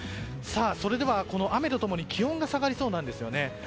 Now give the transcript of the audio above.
それでは雨とともに気温が下がりそうなんです。